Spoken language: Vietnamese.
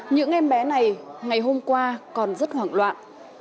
những em bé này ngày hôm qua còn rất hoảng loạn